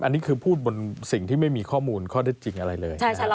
อันนี้คือพูดบนสิ่งที่ไม่มีข้อมูลข้อได้จริงอะไรเลย